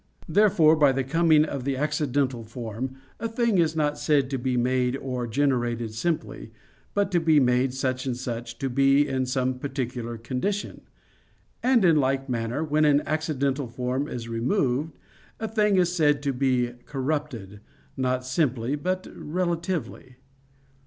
Therefore by the coming of the accidental form a thing is not said to be made or generated simply, but to be made such, or to be in some particular condition; and in like manner, when an accidental form is removed, a thing is said to be corrupted, not simply, but relatively.